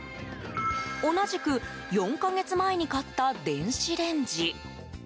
同じく４か月前に買った電子レンジ。